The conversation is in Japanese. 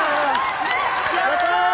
やった！